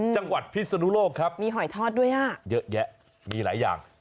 พิศนุโลกครับมีหอยทอดด้วยอ่ะเยอะแยะมีหลายอย่าง